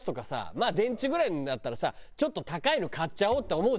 まあ電池ぐらいになったらさちょっと高いの買っちゃおうって思うじゃない。